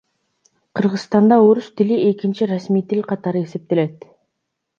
Кыргызстанда орус тили экинчи расмий тил катары эсептелет.